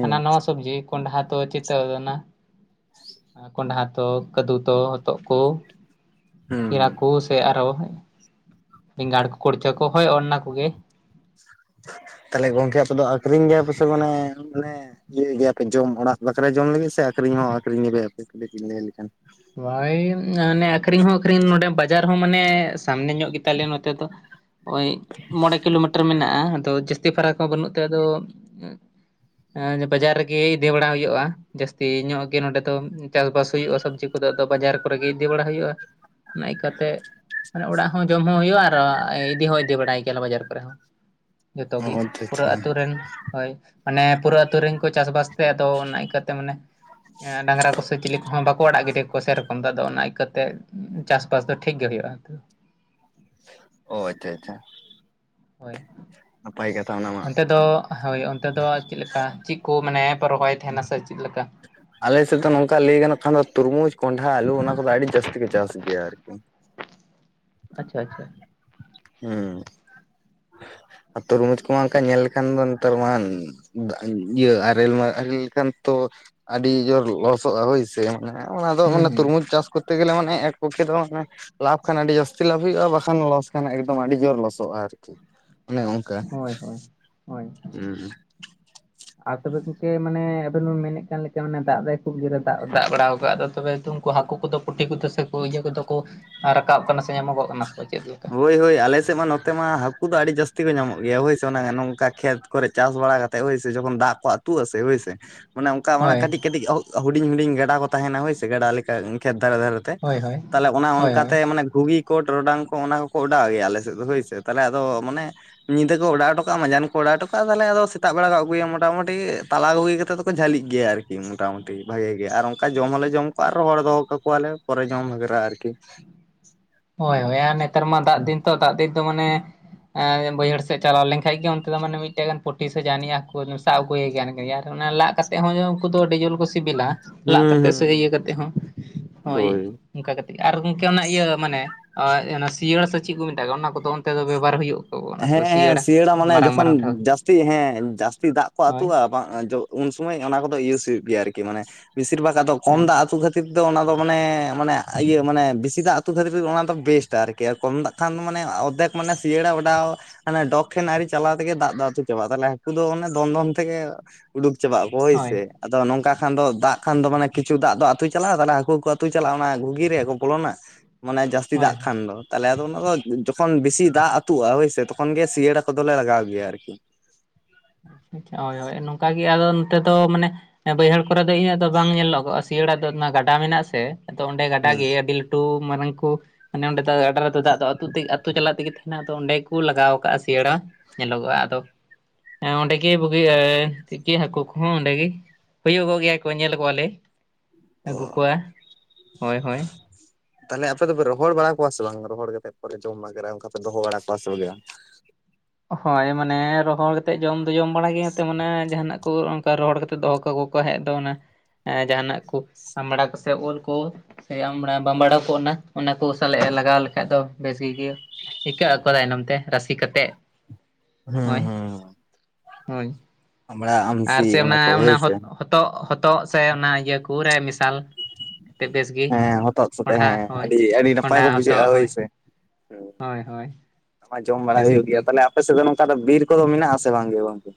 [SPEAKER 1] ᱦᱟᱱᱟ ᱱᱟᱣᱟ ᱥᱚᱵᱽᱡᱤ ᱠᱚᱸᱰᱷᱟ ᱫᱚ ᱪᱤᱛᱟᱹᱣ ᱠᱟᱱᱟ ᱾ ᱠᱚᱸᱰᱷᱟ ᱛᱚ ᱠᱟᱹᱫᱩ ᱛᱚ ᱦᱚᱛᱚᱜ ᱠᱚ ᱾ ᱠᱮᱲᱟ
[SPEAKER 2] ᱦᱩᱸ
[SPEAKER 1] ᱠᱚ ᱥᱮ ᱟᱨᱚ ᱵᱮᱸᱜᱟᱲ ᱠᱚ ᱠᱩᱲᱪᱟᱹ ᱠᱚ ᱦᱳᱭ ᱚᱱᱟ ᱠᱚᱜᱮ᱾
[SPEAKER 2] ᱛᱟᱦᱞᱮ ᱜᱚᱝᱠᱮ ᱟᱯᱮ ᱫᱚ ᱟᱹᱠᱷᱨᱤᱧ ᱜᱮᱭᱟ ᱯᱮ ᱥᱮ ᱢᱟᱱᱮ ᱟᱱᱮ ᱤᱭᱟᱹᱭ ᱜᱮᱭᱟᱯᱮ ᱡᱚᱢ ᱚᱲᱟᱜ ᱵᱟᱠᱷᱨᱟ ᱡᱚᱢ ᱞᱟᱹᱜᱤᱫ ᱥᱮ ᱟᱹᱠᱷᱨᱤᱧ ᱦᱚᱸ ᱟᱹᱠᱷᱨᱤᱧ ᱜᱮᱯᱮ ᱟᱯᱮ [unintelligible] ᱞᱮᱠᱷᱟᱱ ᱾
[SPEAKER 1] ᱦᱳᱭ ᱟᱱᱮ ᱟᱹᱠᱷᱨᱤᱧ ᱦᱚᱸ ᱟᱹᱠᱷᱨᱤᱧ ᱱᱚᱸᱰᱮ ᱵᱟᱡᱟᱨ ᱦᱚᱸ ᱢᱟᱱᱮ ᱥᱟᱢᱱᱮ ᱧᱚᱜ ᱜᱮᱛᱟ ᱞᱮᱭᱟ ᱱᱚᱛᱮ ᱫᱚ᱾ ᱳᱭ ᱢᱚᱬᱮ ᱠᱤᱞᱳᱢᱤᱴᱟᱨ ᱢᱮᱱᱟᱜᱼᱟ ᱟᱫᱚ ᱡᱟᱹᱥᱛᱤ ᱯᱷᱟᱨᱟᱠ ᱦᱚᱸ ᱵᱟᱹᱱᱩᱜ ᱛᱮ ᱟᱫᱚ ᱮᱸ ᱵᱟᱡᱟᱨ ᱨᱮᱜᱮ ᱤᱫᱤ ᱵᱟᱲᱟ ᱦᱩᱭᱩᱜᱼᱟ᱾ ᱡᱟᱹᱥᱛᱤ ᱧᱚᱜ ᱜᱮ ᱱᱚᱸᱰᱮ ᱫᱚ ᱪᱟᱥ-ᱵᱟᱥ ᱦᱩᱭᱩᱜᱼᱟ ᱥᱚᱵᱽᱡᱤ ᱠᱚᱫᱚ ᱟᱫᱚ ᱵᱟᱡᱟᱨ ᱠᱚᱨᱮ ᱜᱮ ᱤᱫᱤ ᱵᱟᱲᱟ ᱦᱩᱭᱩᱜᱼᱟ᱾ ᱱᱟᱹᱭ ᱠᱟᱛᱮ ᱢᱟᱱᱮ ᱚᱲᱟᱜ ᱦᱚᱸ ᱡᱚᱢ ᱦᱚᱸ ᱦᱳᱭᱳᱜᱼᱟ ᱟᱨ ᱤᱫᱤ ᱦᱚᱸ ᱤᱫᱤ ᱵᱟᱲᱟᱭ ᱜᱮᱭᱟ ᱞᱮ ᱵᱟᱡᱟᱨ ᱠᱚᱨᱮ ᱦᱚᱸ ᱡᱚᱛᱚ
[SPEAKER 2] ᱚ
[SPEAKER 1] ᱜᱮ
[SPEAKER 2] ᱟᱪᱪᱷᱟ
[SPEAKER 1] ᱯᱩᱨᱟᱹ
[SPEAKER 2] ᱟᱪᱪᱷᱟ
[SPEAKER 1] ᱟᱹᱛᱩ ᱨᱮᱱ ᱾ ᱦᱳᱭ, ᱢᱟᱱᱮ ᱯᱩᱨᱟᱹ ᱟᱛᱩ ᱨᱮᱝ ᱠᱚ ᱪᱟᱥ-ᱵᱟᱥ ᱛᱮ ᱟᱫᱚ ᱚᱱᱟ ᱠᱟᱹᱛᱮ ᱢᱟᱱᱮ ᱰᱟᱝᱨᱟ ᱠᱚᱥᱮ ᱪᱤᱞᱤ ᱠᱚᱦᱚᱸ ᱵᱟᱠᱚ ᱟᱲᱟᱜ ᱜᱤᱰᱤ ᱠᱚᱣᱟ ᱥᱮᱨᱚᱠᱚᱢ ᱫᱚ ᱟᱫᱚ ᱚᱱᱟ ᱟᱠᱟᱛᱮᱫ ᱪᱟᱥ-ᱵᱟᱥ ᱫᱚ ᱴᱷᱤᱠ ᱜᱮ ᱦᱳᱭᱳᱜᱼᱟ ᱛᱟᱹᱣ ᱾
[SPEAKER 2] ᱚ ᱟᱪᱪᱷᱟ ᱟᱪᱪᱷᱟ ᱾
[SPEAKER 1] ᱦᱳᱭ ᱾
[SPEAKER 2] ᱱᱟᱯᱟᱭ ᱠᱟᱛᱷᱟ ᱚᱱᱟᱢᱟ ᱾
[SPEAKER 1] ᱚᱱᱛᱮ ᱫᱚ ᱦᱳᱭ ᱚᱱᱛᱮ ᱫᱚ ᱪᱮᱫ ᱞᱮᱠᱟ ᱪᱮᱫ ᱠᱚ ᱢᱟᱱᱮ ᱯᱮ ᱨᱚᱦᱚᱭ ᱛᱟᱦᱮᱸᱱᱟ ᱥᱮ ᱪᱮᱫ ᱞᱮᱠᱟ?
[SPEAKER 2] ᱟᱞᱮ ᱥᱮᱫ ᱫᱚ ᱱᱚᱝᱠᱟ ᱞᱟᱹᱭ ᱜᱟᱱᱚᱜ ᱠᱷᱟᱱ ᱫᱚ ᱛᱩᱨᱢᱩᱡᱽ ᱠᱚᱸᱱᱰᱷᱟ ᱟᱞᱩ ᱚᱱᱟ ᱠᱚᱫᱚ ᱟᱹᱰᱤ ᱡᱟᱹᱥᱛᱤ ᱠᱚ ᱪᱟᱥ ᱜᱮᱭᱟ ᱟᱨᱠᱤ ᱾
[SPEAKER 1] ᱟᱪᱪᱷᱟ ᱟᱪᱪᱷᱟ ᱾
[SPEAKER 2] ᱦᱩᱸ ᱾ ᱟ ᱛᱚᱨᱢᱩᱡᱽ ᱠᱚᱢᱟ ᱦᱟᱜ ᱠᱷᱟᱡ ᱧᱮᱞ ᱞᱮᱠᱷᱟᱱ ᱫᱚ ᱱᱮᱛᱟᱨ ᱢᱟ [inaudible] ᱤᱭᱟᱹ ᱟᱨᱮᱞ ᱢᱟ ᱟᱨᱮᱞ ᱠᱟᱱ ᱛᱚ ᱟᱹᱰᱤ ᱡᱳᱨ ᱞᱚᱥᱚᱜᱼᱟ ᱦᱳᱭ ᱥᱮ ᱢᱟᱱᱮ ᱚᱱᱟ ᱫᱚ
[SPEAKER 1] ᱦᱩᱸ
[SPEAKER 2] ᱢᱟᱱᱮ
[SPEAKER 1] ᱦᱩᱸ
[SPEAKER 2] ᱛᱩᱨᱢᱩᱡᱽ ᱪᱟᱥ ᱠᱚᱛᱛᱮ ᱜᱮᱞᱮ ᱢᱟᱱᱮ ᱮᱠ ᱯᱚᱠᱠᱷᱮ ᱫᱚ ᱢᱟᱱᱮ ᱞᱟᱵᱷ ᱠᱷᱟᱱ ᱟᱹᱰᱤ ᱡᱟᱹᱥᱛᱤ ᱞᱟᱵᱷ ᱦᱩᱭᱩᱜᱼᱟ ᱵᱟᱠᱷᱟᱱ ᱞᱚᱥ ᱠᱷᱟᱱ ᱮᱠᱫᱚᱢ ᱟᱹᱰᱤ ᱡᱳᱨ ᱞᱚᱥᱚᱜᱼᱟ ᱟᱨᱠᱤ ᱾ ᱚᱱᱮ ᱚᱝᱠᱟ
[SPEAKER 1] ᱦᱳᱭ ᱦᱳᱭ ᱦᱳᱭ
[SPEAKER 2] ᱦᱩᱸ ᱾
[SPEAKER 1] ᱟᱨ ᱛᱚᱵᱮ ᱜᱚᱝᱠᱮ ᱢᱟᱱᱮ ᱟᱵᱮᱱ ᱵᱮᱱ ᱢᱮᱱᱮᱜ ᱠᱟᱱ ᱞᱮᱠᱟ ᱢᱟᱱᱮ ᱫᱟᱜ ᱫᱟᱭ ᱠᱷᱩᱵ ᱡᱳᱨᱮ ᱫᱟᱜ ᱫᱟᱜ ᱵᱟᱲᱟ ᱟᱠᱟᱜᱼᱟ ᱟᱫᱚ ᱛᱚᱵᱮ ᱠᱩ ᱦᱟᱹᱠᱩ ᱠᱚᱫᱚ ᱯᱩᱴᱷᱤ ᱠᱚᱫᱚ ᱥᱮ ᱤᱭᱟᱹ ᱠᱚᱫᱚ ᱠᱚ ᱨᱟᱠᱟᱵ ᱠᱟᱱᱟ ᱥᱮ ᱧᱟᱢᱚᱜ ᱠᱟᱱᱟ ᱥᱮ ᱠᱚ ᱪᱮᱫ ᱞᱮᱠᱟ?
[SPEAKER 2] ᱦᱳᱭ ᱦᱳᱭ ᱟᱞᱮ ᱥᱮᱜ ᱢᱟ ᱱᱚᱛᱮ ᱢᱟ ᱦᱟᱹᱠᱩ ᱫᱚ ᱟᱹᱰᱤ ᱡᱟᱹᱥᱛᱤ ᱠᱚ ᱧᱟᱢᱚᱜ ᱜᱮᱭᱟ ᱦᱳᱭᱥᱮ ᱚᱱᱟ ᱱᱚᱝᱠᱟ ᱠᱷᱮᱛ ᱠᱚᱨᱮᱜ ᱪᱟᱥ ᱵᱟᱲᱟ ᱠᱟ ᱠᱟᱛᱮᱫ ᱦᱳᱭᱥᱮ ᱡᱚᱠᱷᱚᱱ ᱫᱟᱜ ᱠᱚ ᱟ ᱛᱩᱜᱼᱟ ᱥᱮ ᱦᱳᱭ ᱥᱮ ᱾ ᱢᱟᱱᱮ ᱚᱝᱠᱟ
[SPEAKER 1] ᱦᱳᱭ
[SPEAKER 2] ᱠᱟᱹᱴᱤᱡ ᱠᱟᱹᱴᱤᱡ ᱦᱚ ᱦᱩᱰᱤᱧ ᱦᱩᱰᱤᱧ ᱜᱟᱰᱟ ᱠᱚ ᱛᱟᱦᱮᱱᱟ ᱦᱳᱭ ᱥᱮ ᱜᱟᱰᱟ ᱞᱮᱠᱟ ᱮ ᱠᱷᱮᱛ ᱫᱷᱟᱨᱮ ᱫᱷᱟᱨᱮ ᱛᱮ
[SPEAKER 1] ᱦᱳᱭ ᱦᱳᱭ
[SPEAKER 2] ᱛᱟᱦᱚᱞᱮ ᱚᱱᱮ
[SPEAKER 1] ᱦᱳᱭ
[SPEAKER 2] ᱚᱝᱠᱟ
[SPEAKER 1] ᱦᱳᱭ
[SPEAKER 2] ᱛᱮ ᱢᱟᱱᱮ ᱜᱷᱩᱜᱤ ᱠᱚ ᱴᱚᱨᱚᱰᱟᱝ ᱠᱚ ᱚᱱᱟ ᱠᱚᱠᱚ ᱚᱰᱟᱣ ᱜᱮᱭᱟ ᱟᱞᱮ ᱥᱮᱫ ᱫᱚ ᱦᱳᱭ ᱥᱮ, ᱛᱟᱦᱚᱞᱮ ᱟᱫᱚ ᱢᱟᱱᱮ ᱧᱤᱫᱟᱹ ᱠᱚ ᱚᱰᱟᱣ ᱴᱚᱠᱟᱜᱼᱟ ᱢᱟᱡᱟᱱ ᱠᱚ ᱚᱰᱟᱣ ᱴᱚᱠᱟᱜᱼᱟ ᱛᱟᱦᱚᱞᱮ ᱟᱫᱚ ᱥᱮᱛᱟᱜ ᱵᱮᱲᱟ ᱠᱚ ᱟᱹᱜᱩᱭᱟ ᱢᱚᱴᱟᱢᱩᱴᱤ ᱛᱟᱞᱟ ᱜᱩᱜᱷᱤ ᱠᱟᱛᱮ ᱡᱷᱟᱹᱞᱤᱜ ᱜᱮᱭᱟ ᱟᱨᱠᱤ ᱢᱚᱴᱟᱢᱩᱴᱤ ᱵᱷᱟᱜᱮ ᱜᱮ, ᱟᱨ ᱚᱝᱠᱟ ᱡᱚᱢ ᱦᱚᱸᱞᱮ ᱡᱚᱢ ᱠᱚᱣᱟ ᱟ ᱨᱚᱦᱚᱲ ᱫᱚᱦᱚ ᱠᱟᱠᱚᱣᱟᱞᱮ ᱯᱚᱨᱮ ᱡᱚᱢ ᱵᱷᱟᱜᱨᱟ ᱟᱨᱠᱤ ᱾
[SPEAKER 1] ᱦᱳᱭ ᱦᱳᱭ ᱟᱨ ᱱᱮᱛᱟᱨ ᱢᱟ ᱫᱟᱜ ᱫᱤᱱ ᱛᱚ ᱫᱟᱜ ᱫᱤᱱ ᱛᱚ ᱢᱟᱱᱮ ᱮᱸᱻ ᱵᱟᱹᱭᱦᱟᱹᱲ ᱥᱮᱜ ᱪᱟᱞᱟᱣ ᱞᱮᱝᱠᱷᱟᱡ ᱜᱮ ᱚᱱᱛᱮ ᱫᱚ ᱢᱟᱱᱮ ᱢᱤᱫᱴᱮᱜ ᱜᱟᱱ ᱯᱩᱴᱤ ᱥᱮ ᱡᱟᱱᱤᱡ ᱦᱟᱠᱩ ᱚᱱᱮᱢ ᱥᱟᱵ ᱟᱹᱜᱩᱭᱮ ᱜᱮᱭᱟ [inaudible] ᱟᱨ ᱚᱱᱮ ᱞᱟᱜ ᱠᱟ ᱛᱮᱜ ᱦᱚᱸ ᱩᱝᱠᱩ ᱫᱚ ᱟᱹᱰᱤ ᱡᱳᱞ ᱠᱚ ᱥᱤᱵᱤᱞᱟ
[SPEAKER 2] ᱦᱩᱸ
[SPEAKER 1] ᱞᱟᱜ ᱠᱟᱛᱮ ᱥᱮ ᱤᱭᱟᱹ
[SPEAKER 2] ᱦᱩᱸ
[SPEAKER 1] ᱠᱟᱛᱮᱜ ᱦᱚᱸ ᱦᱳᱭ ᱾ ᱚᱱᱠᱟ ᱠᱟᱛᱮᱫ ᱟᱨ ᱜᱚᱝᱠᱮ ᱚᱱᱟ ᱤᱭᱟᱹ ᱢᱟᱱᱮ ᱚᱱᱟ ᱥᱤᱭᱟᱹᱲᱟ ᱥᱮ ᱪᱮᱫ ᱠᱚ ᱢᱮᱛᱟᱜᱼᱟ ᱚᱱᱟ ᱠᱚᱫᱚ ᱚᱱᱛᱮ ᱫᱚ ᱵᱮᱵᱚᱦᱟᱨ ᱦᱩᱭᱩᱜ ᱠᱟᱱᱟ?
[SPEAKER 2] ᱦᱮᱸ ᱦᱮᱸ ᱥᱤᱭᱟᱹᱲᱟ ᱢᱟᱱᱮ ᱡᱚᱠᱷᱚᱱ ᱡᱟᱹᱥᱛᱤ ᱦᱮᱸ ᱡᱟᱹᱥᱛᱤ ᱫᱟᱜ ᱠᱚ
[SPEAKER 1] ᱦᱳᱭ
[SPEAKER 2] ᱟᱹᱛᱩᱜᱼᱟ ᱩᱱ ᱥᱚᱢᱚᱭ ᱚᱱᱟ ᱠᱚᱫᱚ ᱤᱭᱩᱥ ᱦᱩᱭᱩᱜ ᱜᱮᱭᱟ ᱟᱨᱠᱤ ᱢᱟᱱᱮ ᱵᱤᱥᱤᱨ ᱵᱷᱟᱜᱽ ᱟᱫᱚ ᱠᱚᱢ
[SPEAKER 1] ᱦᱮᱸ
[SPEAKER 2] ᱫᱟᱜ ᱟᱹᱛᱩ ᱠᱷᱟᱹ ᱛᱤᱨ ᱫᱚ ᱚᱱᱟ ᱫᱚ ᱢᱟᱱᱮ ᱢᱟᱱᱮ ᱤᱭᱟᱹ ᱢᱟᱱᱮ ᱵᱮᱥᱤ ᱫᱟᱜ ᱟᱹᱛᱩ ᱠᱷᱟᱹᱛᱤᱨ ᱚᱱᱟ ᱫᱚ ᱵᱮᱥᱴ ᱟᱨᱠᱤ ᱠᱮᱭᱟ ᱠᱚᱢ ᱫᱟᱜ ᱠᱷᱟᱱ ᱫᱚ ᱢᱟᱱᱮ ᱚᱫᱷᱮᱠ ᱢᱟᱱᱮ ᱥᱤᱭᱟᱹᱲᱟ ᱚᱰᱟᱣ ᱟᱱᱮ ᱰᱚᱜᱽ ᱴᱷᱮᱱ ᱟᱣᱨᱤ ᱪᱟᱞᱟᱣ ᱛᱮᱜᱮ ᱫᱟᱜ ᱫᱟᱜᱛᱩ ᱪᱟᱵᱟᱜᱼᱟ ᱛᱟᱦᱚᱞᱮ ᱦᱟᱹᱠᱩ ᱫᱚ ᱚᱱᱮ ᱫᱚᱱ ᱫᱚᱱ ᱛᱮᱜᱮ ᱩᱰᱩᱠ ᱪᱟᱵᱟ ᱟᱠᱚ ᱦᱳᱭ ᱥᱮ ᱾ ᱟᱫᱚ ᱱᱚᱝᱠᱟ ᱠᱷᱟᱱ ᱫᱚ ᱫᱟᱜ ᱠᱷᱟᱱ ᱫᱚ ᱢᱟᱱᱮ ᱠᱤᱪᱷᱩ ᱫᱟᱜ ᱫᱚ ᱟᱹᱛᱩ ᱪᱟᱞᱟᱜᱼᱟ ᱛᱟᱦᱚᱞᱮ ᱦᱟᱹᱠᱩ ᱠᱚ ᱟᱹᱛᱩ ᱪᱟᱞᱟᱜᱼᱟ ᱚᱱᱟ ᱜᱷᱩᱜᱤ ᱨᱮ ᱠᱚ ᱵᱚᱞᱚᱱᱟ ᱾ ᱢᱟᱱᱮ ᱡᱟᱹᱥᱛᱤ ᱫᱟᱜ
[SPEAKER 1] ᱦᱳᱭ
[SPEAKER 2] ᱠᱷᱟᱱ ᱫᱚ ᱛᱟᱦᱚᱞᱮ ᱟᱫᱚ ᱚᱱᱟ ᱫᱚ ᱡᱚᱠᱷᱚᱱ ᱵᱮᱥᱤ ᱫᱟᱜ ᱟᱹᱛᱩᱜ-ᱟ ᱦᱳᱭ ᱥᱮ ᱛᱚᱠᱷᱚᱱ ᱜᱮ ᱥᱤᱭᱟᱹᱲᱟ ᱠᱚᱫᱞᱮ ᱞᱟᱜᱟᱣ ᱜᱮᱭᱟ ᱟᱨᱠᱤ ᱾
[SPEAKER 1] ᱟᱪᱪᱷᱟ ᱦᱳᱭ ᱦᱳᱭ ᱱᱚᱝᱠᱟᱜ ᱜᱮ ᱟᱫᱚ ᱱᱚᱛᱮ ᱫᱚ ᱢᱟᱱᱮ ᱵᱟᱹᱭᱦᱟᱹᱲ ᱠᱚᱨᱮ ᱫᱚ ᱤᱧᱟᱹᱜ ᱫᱚ ᱵᱟᱝ ᱧᱮᱞ ᱧᱚᱜᱚᱜᱼᱟ ᱥᱤᱭᱟᱹᱟᱹᱲᱟᱜ ᱫᱚ ᱜᱟᱰᱟ ᱢᱮᱱᱟᱜᱼᱟ ᱥᱮ ᱟᱫᱚ ᱚᱸᱰᱮ ᱜᱟᱰᱟ
[SPEAKER 2] ᱦᱩᱸ
[SPEAKER 1] ᱜᱮ ᱟᱹᱰᱤ ᱞᱟᱹᱴᱩ ᱢᱩ ᱢᱟᱨᱟᱝ ᱠᱩ ᱢᱟᱱᱮ ᱚᱸᱰᱮ ᱫᱚ ᱜᱟᱰᱟ ᱨᱮᱫᱚ ᱫᱟᱜ ᱫᱚ ᱟᱹᱛᱩᱛ ᱪᱟᱞᱟᱜ ᱛᱮᱜᱮ ᱛᱟᱦᱮᱱᱟ ᱚᱸᱰᱮ ᱠᱩ ᱞᱟᱜᱟᱣ ᱟᱠᱟᱜᱼᱟ ᱥᱮᱭᱟᱹᱲᱟ ᱾ ᱧᱮᱞᱚᱜᱚᱜᱼᱟ ᱟᱫᱚ ᱦᱮᱸ ᱚᱸᱰᱮᱜᱤ ᱵᱩᱜᱤᱼᱟ [unintelligible] ᱦᱟᱹᱠᱩ ᱠᱚᱦᱚᱸ ᱚᱸᱰᱮᱜᱤ᱾ ᱦᱩᱭᱳᱜᱚᱜ ᱜᱮᱭᱟᱠᱚ ᱧᱮᱞ ᱠᱚᱣᱟᱞᱮ᱾ ᱟᱹᱜᱩ ᱠᱚᱣᱟ ᱦᱳᱭ ᱦᱳᱭ
[SPEAKER 2] ᱚᱻ ᱛᱟᱦᱚᱞᱮ ᱟᱯᱮ ᱫᱚᱯᱮ ᱨᱚᱦᱚᱲ ᱵᱟᱲᱟ ᱠᱚᱣᱟ ᱥᱮ ᱵᱟᱝ ᱨᱚᱦᱚᱲ ᱠᱟᱛᱮᱫ ᱯᱚᱨᱮ ᱡᱚᱢ ᱵᱟᱟᱜᱮᱨᱟ ᱚᱱᱠᱟ ᱯᱮ ᱫᱚᱦᱚ ᱵᱟᱲᱟ ᱠᱚᱣᱟ ᱥᱮ
[SPEAKER 1] ᱦᱳᱭ ᱢᱟᱱᱮ ᱨᱚᱦᱚᱲ ᱠᱟᱛᱮᱫ ᱡᱚᱢ ᱫᱚ ᱡᱚᱢ ᱵᱟᱲᱟ ᱜᱮᱚᱛ ᱢᱟᱱᱮ ᱡᱟᱦᱟᱸᱱᱟᱜ ᱠᱩ ᱚᱠᱟ ᱨᱚᱦᱚᱲ ᱠᱟᱛᱮ ᱫᱚᱦᱚ ᱠᱟᱠᱚ ᱠᱚᱣᱟ ᱦᱮᱡ ᱫᱚ ᱚᱱᱟ ᱮ ᱡᱟᱦᱟᱸᱱᱟᱜ ᱠᱩ ᱟᱢᱵᱟᱲᱟ ᱠᱩ ᱥᱮ ᱩᱞ ᱠᱩ ᱥᱮ ᱟᱢᱵᱟᱲᱟ ᱵᱟᱢᱵᱟᱲᱟᱣ ᱠᱚᱜ ᱚᱱᱟ ᱠᱚ ᱥᱟᱞᱟᱜ ᱞᱟᱜᱟᱣ ᱞᱮᱠᱷᱟᱡ ᱫᱚ ᱵᱮᱥ ᱜᱮ ᱤᱠᱟᱹ ᱟᱠᱚ ᱛᱟᱭᱱᱚᱢ ᱛᱮ ᱨᱟᱹᱥᱤ ᱠᱟᱛᱮᱫ
[SPEAKER 2] ᱦᱩᱸ
[SPEAKER 1] ᱦᱳᱭ
[SPEAKER 2] ᱦᱩᱸ
[SPEAKER 1] ᱦᱳᱭ
[SPEAKER 2] ᱟᱢᱲᱟ
[SPEAKER 1] ᱟᱨ ᱥᱮ
[SPEAKER 2] ᱟᱢᱥᱤ
[SPEAKER 1] ᱚᱱᱟ
[SPEAKER 2] ᱠᱚ
[SPEAKER 1] ᱚᱱᱟ
[SPEAKER 2] ᱦᱳᱭᱥᱮ
[SPEAKER 1] ᱦᱚᱛᱚᱜ ᱦᱚ ᱛᱚᱜ ᱥᱮ ᱚᱱᱟ ᱤᱭᱟᱹ ᱠᱩ ᱨᱮ ᱢᱮᱰᱟᱞ ᱛᱮ ᱵᱮᱥ ᱜᱮ
[SPEAKER 2] ᱦᱮᱸ ᱦᱚᱛᱚᱫ ᱥᱟᱛᱮ
[SPEAKER 1] ᱠᱚᱸᱰᱷᱟ
[SPEAKER 2] ᱦᱮᱸ
[SPEAKER 1] ᱦᱳᱭ
[SPEAKER 2] ᱟᱹᱰᱤ ᱟᱹᱰᱤ ᱱᱟᱯᱟᱭ
[SPEAKER 1] ᱠᱚᱸᱰᱷᱟ,
[SPEAKER 2] ᱠᱚ
[SPEAKER 1] ᱦᱚᱛᱚᱫ
[SPEAKER 2] ᱵᱩᱡᱷᱟᱹᱜᱼᱟ
[SPEAKER 1] ᱦᱳᱭ᱾
[SPEAKER 2] ᱦᱳᱭᱥᱮ
[SPEAKER 1] ᱦᱚᱭ ᱦᱚᱭ᱾
[SPEAKER 2] ᱟᱡᱚᱢ ᱵᱟᱲᱟ ᱦᱩᱭᱩᱜ ᱜᱮᱭᱟ᱾ ᱛᱟᱦᱞᱮ ᱟᱯᱮ ᱥᱮᱫ ᱫᱚ ᱱᱚᱝᱠᱟ ᱫᱚ ᱵᱤᱨ ᱠᱚᱫᱚ ᱢᱮᱱᱟᱜ ᱥᱮ ᱵᱟᱝ ᱜᱮ ᱜᱚᱝᱠᱮ᱾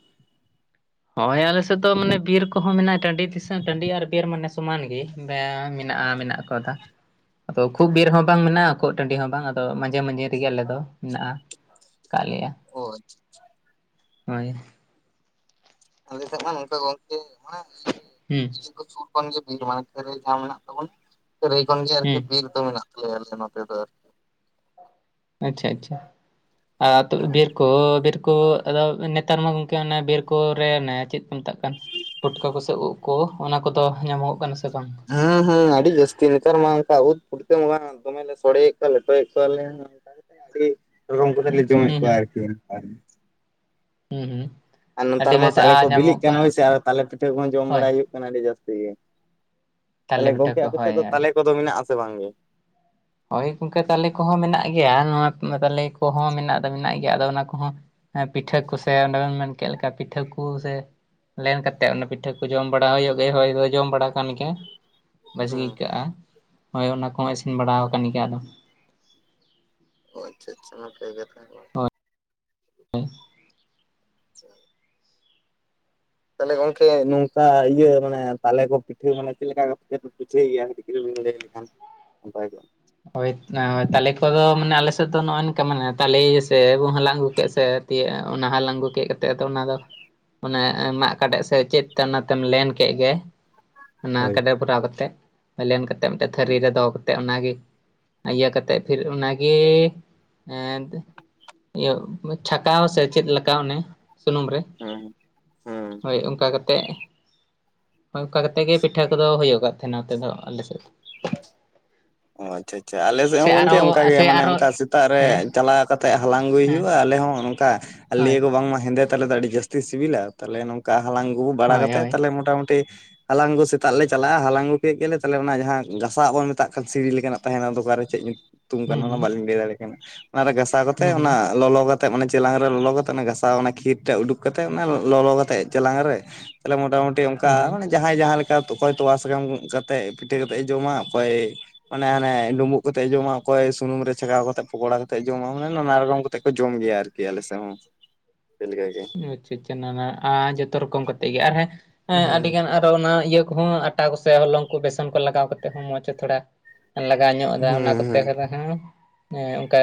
[SPEAKER 1] ᱦᱳᱭ ᱟᱞᱮ ᱥᱮᱫ ᱫᱚ ᱢᱟᱱᱮ ᱵᱤᱨ ᱠᱚᱦᱚᱸ ᱢᱮᱱᱟᱜ-ᱟ ᱴᱟᱺᱰᱤ ᱫᱤᱥᱟᱹᱢ ᱴᱟᱺᱰᱤ ᱟᱨ ᱵᱤᱨ ᱢᱟᱱᱮ ᱥᱚᱢᱟᱱ ᱜᱮ ᱢᱮᱭᱟᱝ ᱢᱮᱱᱟᱜᱼᱟ ᱢᱮᱱᱟᱜ ᱠᱚᱫᱟ᱾
[SPEAKER 2] [inaudible]
[SPEAKER 1] ᱟᱫᱚ ᱠᱷᱩᱵ ᱵᱮᱨ ᱦᱚᱸ ᱵᱟᱝ ᱢᱮᱱᱟᱜ-ᱟ᱾ ᱴᱟᱸᱰᱤ ᱦᱚᱸ ᱵᱟᱝ ᱟᱫᱚ ᱢᱟᱡᱷᱮ ᱢᱟᱡᱷᱮ ᱨᱮᱜᱮ ᱟᱞᱮ ᱫᱚ ᱢᱮᱱᱟᱜ-ᱟ ᱟᱠᱟᱫ ᱞᱮᱭᱟ᱾
[SPEAKER 2] ᱚ ᱟᱪᱪᱷᱟ ᱟᱪᱪᱷᱟ ᱾
[SPEAKER 1] ᱦᱳᱭ ᱾
[SPEAKER 2] ᱟᱞᱮ ᱥᱮᱫ ᱢᱟ ᱱᱚᱝᱠᱟ ᱜᱚᱝᱠᱮ ᱢᱟᱱᱮ
[SPEAKER 1] ᱦᱩᱸ᱾
[SPEAKER 2] ᱤᱭᱟᱹ ᱥᱩᱨ ᱠᱷᱚᱱ ᱜᱮ ᱵᱤᱨ ᱢᱟᱱᱮ ᱠᱷᱟᱹᱨᱟᱹᱭ ᱡᱟᱦᱟᱸ ᱢᱮᱱᱟᱜ ᱛᱟᱵᱚᱱ ᱠᱷᱟᱹᱨᱟᱹᱭ ᱠᱷᱚᱱ ᱜᱮ ᱟᱨᱠᱤ
[SPEAKER 1] ᱦᱩᱸ
[SPEAKER 2] ᱵᱤᱨ ᱫᱚ ᱢᱮᱱᱟᱜᱼᱼ ᱧᱮᱞ ᱫᱚ ᱱᱚᱛᱮ ᱫᱚ ᱾
[SPEAKER 1] ᱟᱪᱪᱷᱟ ᱟᱪᱪᱷᱟ ᱟᱨ ᱛᱚᱵᱮ ᱵᱤᱨ ᱠᱩ ᱵᱤᱨ ᱠᱩ ᱟᱫᱚ ᱱᱮᱛᱟᱨ ᱢᱟ ᱜᱚᱝᱠᱮ ᱚᱱ ᱵᱤᱨ ᱠᱚᱨᱮ ᱪᱮᱫ ᱠᱚ ᱢᱮᱛᱟᱜ ᱠᱟᱱ ᱯᱩᱴᱠᱟᱹ ᱠᱚᱥᱮ ᱩᱵ ᱠᱚ ᱚᱱᱟ ᱠᱚᱫᱚ ᱧᱟᱢᱚᱜᱚᱜ ᱠᱟᱱᱟ ᱠᱚᱢ ᱥᱮ ᱠᱚᱢ?
[SPEAKER 2] ᱦᱮᱸ ᱦᱩᱸ ᱟᱹᱰᱤ ᱡᱟᱹᱥᱛᱤ ᱱᱮᱛᱟᱨ ᱢᱟ ᱚᱱᱠᱟ ᱩᱫ ᱯᱩᱴᱠᱟᱹ ᱢᱟ ᱫᱚᱢᱮᱞᱮ ᱥᱚᱲᱮᱭᱮᱫ ᱠᱚᱣᱟ ᱞᱮ ᱞᱮᱴᱚᱭᱮᱫ ᱠᱚᱣᱟᱞᱮ ᱾ ᱟᱹᱰᱤ ᱨᱚᱠᱚᱢ ᱠᱟᱛᱮ ᱞᱮ ᱡᱚᱢᱮᱫ
[SPEAKER 1] ᱦᱩᱸ
[SPEAKER 2] ᱠᱚᱣᱟ
[SPEAKER 1] ᱦᱩᱸ
[SPEAKER 2] ᱟᱨᱠᱤ ᱟᱨ
[SPEAKER 1] ᱦᱩᱸ ᱦᱩᱸ ᱾
[SPEAKER 2] ᱟᱨ ᱱᱮᱛᱟᱨ ᱢᱟ ᱛᱟᱞᱮ ᱠᱚ ᱵᱤᱞᱤᱜ ᱠᱟᱱᱟ ᱦᱳᱭᱥᱮ ᱟᱫᱚ ᱛᱟᱞᱮ ᱯᱤᱴᱷᱟᱹ ᱠᱚᱦᱚᱸ ᱡᱚᱢ
[SPEAKER 1] ᱦᱳᱭ
[SPEAKER 2] ᱵᱟᱲᱟᱭ ᱦᱩᱭᱩᱜ ᱠᱟᱱᱟ ᱟᱹᱰᱤ ᱡᱟᱹᱥᱛᱤ ᱜᱮ᱾ ᱛᱟᱦᱞᱮ
[SPEAKER 1] ᱛᱟᱞᱮ ᱯᱤᱴᱷᱟᱹ
[SPEAKER 2] ᱜᱚᱝᱠᱮ
[SPEAKER 1] ᱠᱚ
[SPEAKER 2] ᱟᱯᱮ ᱥᱮᱫ
[SPEAKER 1] ᱦᱳᱭ
[SPEAKER 2] ᱫᱚ
[SPEAKER 1] ᱦᱳᱭ
[SPEAKER 2] ᱛᱟᱞᱮ ᱠᱚᱫᱚ ᱢᱮᱱᱟᱜ ᱟᱥᱮ ᱵᱟᱝᱜᱮ?
[SPEAKER 1] ᱦᱳᱭ ᱜᱚᱝᱠᱮ ᱛᱟᱞᱮ ᱠᱚᱦᱚᱸ ᱢᱮᱱᱟᱜ ᱜᱮᱭᱟ ᱱᱚᱣᱟ ᱛᱟᱞᱮ ᱠᱚᱦᱚᱸ ᱢᱮᱱᱟᱜ ᱫᱚ ᱢᱮᱱᱟᱜ ᱜᱮᱭᱟ ᱟᱫᱚ ᱚᱱᱟ ᱠᱚᱦᱚᱸᱼᱼ ᱦᱮ ᱯᱤᱴᱷᱟᱹ ᱠᱚᱥᱮ ᱚᱸᱰᱮ ᱵᱮᱱ ᱢᱮᱱ ᱠᱮᱫ ᱞᱮᱠᱟ ᱯᱤᱴᱷᱟᱹ ᱠᱚ ᱥᱮ ᱞᱮᱱ ᱠᱟᱛᱮᱫ ᱚᱱᱟ ᱯᱤᱴᱷᱟᱹ ᱠᱚ ᱡᱚᱢ ᱵᱟᱲᱟ ᱦᱩᱭᱩᱜ ᱜᱮ ᱦᱚᱭ ᱦᱚᱭ ᱡᱚᱢ ᱵᱟᱲᱟ ᱠᱟᱱ ᱜᱮᱭᱟ᱾
[SPEAKER 2] ᱦᱮᱸ
[SPEAKER 1] ᱵᱟᱡᱽᱜᱮ ᱟᱹᱭᱠᱟᱹᱜᱼᱟ, ᱦᱳᱭ ᱚᱱᱟ ᱠᱚᱦᱚᱸ ᱤᱥᱤᱱ ᱵᱟᱲᱟᱣ ᱟᱠᱟᱱ ᱜᱮᱭᱟ ᱟᱫᱚ᱾
[SPEAKER 2] ᱟᱪᱪᱷᱟ ᱟᱪᱪᱷᱟ [unintelligible] ᱛᱟᱦᱚᱞᱮ ᱜᱚᱝᱠᱮ ᱱᱚᱝᱠᱟ ᱤᱭᱟᱹ ᱢᱟᱱᱮ ᱛᱟᱞᱮ ᱠᱚ ᱯᱤᱴᱷᱟᱹ ᱢᱟᱱᱮ ᱪᱮᱫ ᱞᱮᱠᱟ ᱠᱚ ᱯᱤᱴᱷᱟᱹᱭ ᱜᱮᱭᱟ ᱠᱟᱹᱴᱤᱡ ᱵᱤᱱ ᱞᱟᱹᱭ ᱞᱮᱠᱷᱟᱱ᱾ ᱱᱟᱯᱟᱭ ᱠᱚᱜ-ᱟ᱾
[SPEAKER 1] ᱦᱳᱭ ᱮ ᱛᱟᱞᱮ ᱠᱚᱫᱚ ᱢᱟᱱᱮ ᱟᱞᱮ ᱥᱮᱫ ᱫᱚ ᱱᱚᱜᱼᱚᱭ ᱱᱚᱝᱠᱟ ᱢᱟᱱᱮ ᱛᱟᱞᱮ ᱥᱮ ᱵᱚᱱ ᱦᱟᱞᱟᱝ ᱟᱹᱜᱩ ᱠᱮᱫ ᱥᱮᱼᱼ ᱛᱤᱭᱟᱹᱜᱼᱟ ᱚᱱᱟ ᱦᱟᱞᱟᱝ ᱟᱹᱜᱩ ᱠᱮᱫ ᱠᱟᱛᱮ ᱟᱫᱚ ᱚᱱᱟ ᱫᱚᱼᱼ ᱚᱱᱮ ᱮᱜ ᱢᱟᱜ ᱠᱟᱰᱮᱡ ᱥᱮ ᱪᱮᱫ ᱛᱮ ᱚᱱᱟ ᱛᱮᱢ ᱞᱮᱱ ᱠᱮᱜ ᱜᱮᱼᱼ ᱚᱱᱟ
[SPEAKER 2] ᱦᱳᱭ
[SPEAKER 1] ᱠᱟᱰᱮ ᱵᱷᱚᱨᱟᱣ ᱠᱟᱛᱮᱫ ᱞᱮᱱ ᱠᱟᱛᱮᱫ ᱢᱤᱫᱴᱮᱡ ᱛᱷᱟᱹᱨᱤ ᱨᱮ ᱫᱚᱦᱚ ᱠᱟᱛᱮᱫ ᱚᱱᱟᱜᱮ ᱤᱭᱟᱹ ᱠᱟᱛᱮᱜ ᱯᱷᱤᱨ ᱚᱱᱟᱜᱮ ᱮᱫ ᱤᱭᱟᱹ ᱠᱚ ᱪᱷᱟᱠᱟᱣ ᱥᱮ ᱪᱮᱫ ᱞᱮᱠᱟ ᱚᱱᱮ ᱥᱩᱱᱩᱢ ᱨᱮ ᱾
[SPEAKER 2] ᱦᱩᱸ ᱻ
[SPEAKER 1] ᱦᱳᱭ ᱚᱱᱠᱟ ᱠᱟᱛᱮᱜ᱾ ᱦᱚᱭ ᱚᱱᱠᱟ ᱠᱟᱛᱮᱜ ᱜᱮ ᱯᱤᱴᱷᱟᱹ ᱠᱚᱫᱚ ᱦᱩᱭᱩᱜ ᱠᱟᱱ ᱛᱟᱦᱮᱱᱟ, ᱱᱚᱛᱮ ᱫᱚ ᱟᱞᱮ ᱥᱮᱫ ᱫᱚ᱾
[SPEAKER 2] ᱳᱡ᱾ ᱟᱪᱪᱷᱟ ᱟᱪᱪᱷᱟ ᱟᱞᱮ ᱥᱮᱫ
[SPEAKER 1] ᱥᱮ
[SPEAKER 2] ᱦᱚᱸ ᱜᱚᱝᱠᱮ
[SPEAKER 1] ᱟᱨᱚ
[SPEAKER 2] ᱚᱱᱠᱟᱜᱮ
[SPEAKER 1] ᱥᱮ
[SPEAKER 2] ᱢᱟᱱᱮ
[SPEAKER 1] ᱟᱨᱚ
[SPEAKER 2] ᱚᱱᱠᱟ ᱥᱮᱛᱟᱜ ᱨᱮ
[SPEAKER 1] ᱦᱮᱸ
[SPEAKER 2] ᱪᱟᱞᱟᱣ ᱠᱟᱛᱮᱫ ᱦᱟᱞᱟᱝ ᱟᱹᱜᱩᱭ
[SPEAKER 1] ᱦᱮᱸ
[SPEAKER 2] ᱦᱩᱭᱩᱜ-ᱟ ᱟᱞᱮ ᱦᱚᱸ ᱫᱟ
[SPEAKER 1] ᱦᱳᱭ
[SPEAKER 2] ᱞᱟᱹᱭᱟᱠᱚ ᱵᱟᱝᱢᱟ ᱦᱮᱸᱫᱮ ᱛᱟᱞᱮ ᱫᱚ ᱟᱹᱰᱤ ᱡᱟᱹᱥᱛᱤ ᱥᱤᱵᱤᱞᱟ᱾ ᱛᱟᱦᱚᱞᱮ ᱱᱚᱝᱠᱟ ᱦᱟᱞᱟᱝ ᱟᱹᱜᱩ ᱵᱟᱲᱟ
[SPEAKER 1] ᱦᱳᱭ
[SPEAKER 2] ᱠᱟᱛᱮᱫ
[SPEAKER 1] ᱦᱳᱭ
[SPEAKER 2] ᱛᱟᱦᱚᱞᱮ ᱢᱚᱴᱟ ᱢᱩᱴᱤ᱾ ᱦᱟᱞᱟᱝ ᱟᱹᱜᱩ ᱥᱮᱛᱟᱜ ᱨᱮᱞᱮ ᱪᱟᱞᱟᱜ-ᱟ, ᱦᱟᱞᱟᱝ ᱟᱹᱜᱩ ᱠᱮᱫ ᱜᱮᱞᱮ ᱛᱟᱦᱚᱞᱮ ᱚᱱᱟ ᱡᱟᱦᱟᱸ ᱜᱷᱟᱥᱟᱣ ᱵᱚᱱ ᱢᱮᱛᱟᱜ ᱠᱷᱟᱱ ᱥᱤᱲᱤ ᱞᱮᱠᱟᱱᱟᱜ ᱛᱟᱦᱮᱱᱟ ᱫᱚᱠᱟᱱ ᱨᱮ ᱪᱮᱫ ᱧᱩᱛᱩᱢ
[SPEAKER 1] ᱦᱩᱸ
[SPEAKER 2] ᱠᱟᱱᱟ, ᱚᱱᱟ
[SPEAKER 1] ᱦᱩᱸ
[SPEAKER 2] ᱵᱟᱞᱤᱧ ᱞᱟᱹᱭ ᱫᱟᱲᱮᱭᱟᱜ ᱠᱟᱱᱟ, ᱚᱱᱟ ᱨᱮ ᱜᱷᱟᱥᱟᱣ ᱠᱟᱛᱮ
[SPEAKER 1] ᱦᱩᱸ
[SPEAKER 2] ᱚᱱᱟ ᱞᱚᱞᱚ ᱠᱟᱛᱮᱜ ᱢᱟᱱᱮ ᱪᱮᱞᱟᱝ ᱨᱮ ᱞᱚᱞᱚ ᱠᱟᱛᱮᱜ, ᱜᱷᱟᱥᱟᱣ ᱚᱱᱟ ᱠᱷᱤᱨ ᱴᱟᱜ ᱩᱰᱩᱠ ᱠᱟᱛᱮᱜ ᱚᱱᱟ ᱞᱚᱞᱚ ᱠᱟᱛᱮᱜ ᱪᱮᱞᱟᱝ ᱨᱮ ᱛᱟᱦᱞᱮ ᱢᱚᱴᱟ ᱢᱩᱴᱤ ᱚᱱᱠᱟ
[SPEAKER 1] ᱦᱩᱸ ᱦᱩᱸ
[SPEAKER 2] ᱢᱟᱱ ᱡᱟᱦᱟᱸᱭ ᱡᱟᱦᱟᱸᱞᱮᱠᱟ ᱛᱚᱠᱚᱭ ᱛᱚᱣᱟ ᱥᱟᱠᱟᱢ ᱠᱟᱛᱮᱫ ᱯᱤᱴᱷᱟᱹ ᱠᱟᱛᱮᱫ ᱮ ᱡᱚᱢᱟ ᱚᱠᱚᱭ ᱢᱟᱱᱮ ᱦᱟᱱᱮ ᱰᱩᱸᱵᱩᱜ ᱠᱟᱛᱮᱜ ᱡᱚᱢᱟ ᱚᱠᱚᱭ ᱥᱩᱱᱩᱢ ᱨᱮ ᱪᱷᱟᱸᱠᱟᱣ ᱠᱟᱛᱮᱜ ᱯᱚᱠᱳᱲᱟ ᱠᱟᱛᱮᱜ ᱡᱚᱢᱟ ᱢᱟᱱᱮ ᱱᱟᱱᱟ ᱨᱚᱠᱚᱢ ᱠᱟᱛᱮᱜ ᱠᱚ ᱡᱚᱢ ᱜᱮᱭᱟ ᱟᱨᱠᱤ᱾ -ᱜᱤ ᱟᱞᱮᱥᱮᱜ ᱦᱚᱸ ᱟᱯᱮᱞᱮᱠᱟ ᱜᱮ᱾
[SPEAKER 1] ᱦᱩᱸ ᱟᱪᱪᱷᱟ [unintelligible] ᱟᱨ ᱡᱚᱛᱚ ᱨᱚᱠᱚᱢ ᱠᱟᱛᱮ ᱜᱮ ᱟᱨ ᱦᱮᱸ
[SPEAKER 2] ᱦᱮᱸ
[SPEAKER 1] ᱟᱹᱰᱤᱜᱟᱱ ᱟᱨ ᱟᱨ ᱚᱱᱟ ᱤᱭᱟᱹ ᱠᱚᱦᱚᱸ ᱟᱴᱟ ᱠᱚᱥᱮ ᱦᱚᱞᱚᱝ ᱠᱚ ᱵᱮᱥᱚᱱ ᱠᱚ ᱞᱟᱜᱟᱣ ᱠᱟᱛᱮ ᱦᱚᱸ ᱢᱚᱸᱡᱽ ᱛᱷᱚᱲᱟ, ᱞᱟᱜᱟᱣ ᱧᱚᱜ ᱮᱫᱟ
[SPEAKER 2] ᱦᱮᱸ
[SPEAKER 1] ᱚᱱᱟ ᱠᱚᱛᱮ
[SPEAKER 2] ᱦᱮᱸ
[SPEAKER 1] [unintelligible] ᱦᱚᱸ ᱚᱱᱠᱟ᱾